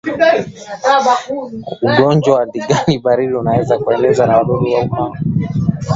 Ugonjwa wa ndigana baridi unaweza pia kuenezwa na wadudu waumao